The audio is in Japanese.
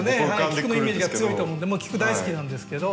菊のイメージが強いと思うんでもう菊大好きなんですけど。